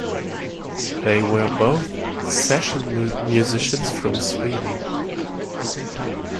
They were both session-musicians from Sweden.